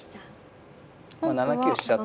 ７九飛車と。